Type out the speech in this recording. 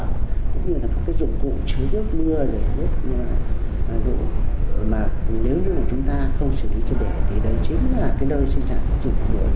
cũng như là các dụng cụ chứa nước mưa dụng cụ mà nếu như chúng ta không xử lý cho đẻ thì đấy chính là nơi xây dựng dụng cụ